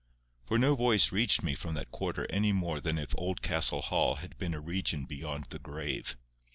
For no voice reached me from that quarter any more than if Oldcastle Hall had been a region beyond the grave.